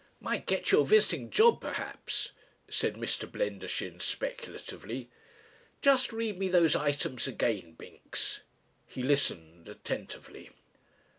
"Might get you a visiting job, perhaps," said Mr. Blendershin speculatively. "Just read me those items again, Binks." He listened attentively.